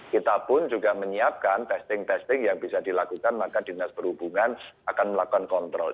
kita pun juga menyiapkan testing testing yang bisa dilakukan maka dinas perhubungan akan melakukan kontrol